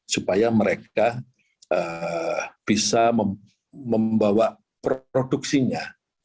supaya mereka bisa membawa produksinya